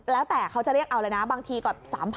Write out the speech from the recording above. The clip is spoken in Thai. แล้วแต่เขาจะเรียกเอาเลยนะบางทีก็๓๐๐๐